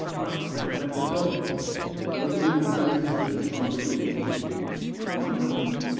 Ha! I had forgot The old man rests in slumber deep: My mother?